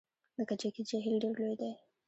د کجکي جهیل ډیر لوی دی